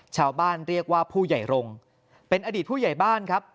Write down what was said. ชาวบ้านเรียกว่าผู้ใหญ่รงค์เป็นอดีตผู้ใหญ่บ้านครับ